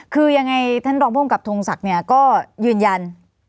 คือยังไงท่านรองภูมิกับทงศักดิ์เนี่ยก็ยืนยัน